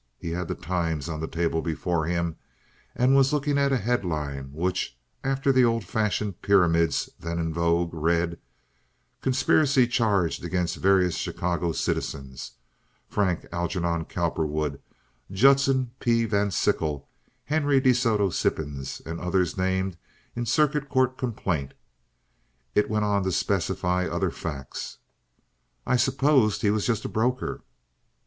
He had the Times on the table before him, and was looking at a headline which, after the old fashioned pyramids then in vogue, read: "Conspiracy charged against various Chicago citizens. Frank Algernon Cowperwood, Judson P. Van Sickle, Henry De Soto Sippens, and others named in Circuit Court complaint." It went on to specify other facts. "I supposed he was just a broker."